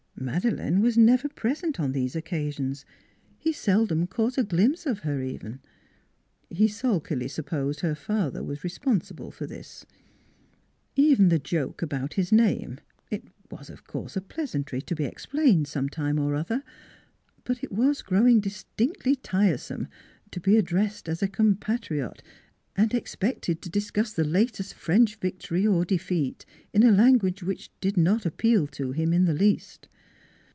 Madeleine was never present on these occasions; he seldom caught a glimpse of her, even. He sulkily supposed her father was responsible for this. Even the joke about his name it was, of course, a pleasantry NEIGHBORS 191 to be explained sometime or other but it was growing distinctly tiresome to be addressed as a compatriot and expected to discuss the latest French victory or defeat in a language which did not appeal to him in the least.